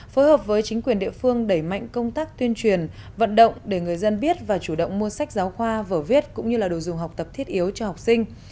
phối hợp với chính quyền địa phương đẩy mạnh công tác tuyên truyền vận động để người dân biết và chủ động mua sách giáo khoa vở viết cũng như là đồ dùng học tập thiết yếu cho học sinh